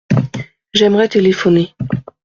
J’aimerais téléphoner.